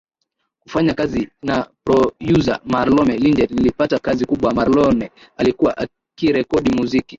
kufanya kazi na prodyuza Marlone Linje nilipata kazi kubwa Marlone alikuwa akirekodi muziki